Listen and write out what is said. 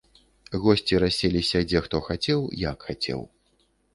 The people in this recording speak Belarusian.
Госці расселіся дзе хто хацеў, як хацеў.